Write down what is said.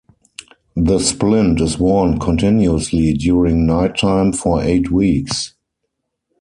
The splint is worn continuously during nighttime for eight weeks.